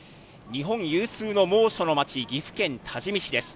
日本有数の猛暑の町、岐阜県多治見市です。